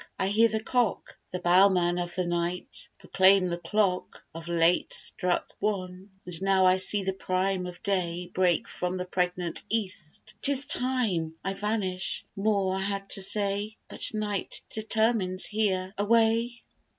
I hear the cock, The bell man of the night, proclaim the clock Of late struck One; and now I see the prime Of day break from the pregnant east: 'tis time I vanish: more I had to say, But night determines here; Away!